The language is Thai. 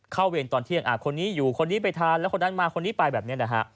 เวรตอนเที่ยงคนนี้อยู่คนนี้ไปทานแล้วคนนั้นมาคนนี้ไปแบบนี้นะฮะ